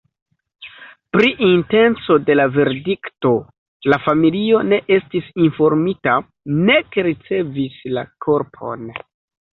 Pri intenco de la verdikto la familio ne estis informita, nek ricevis la korpon.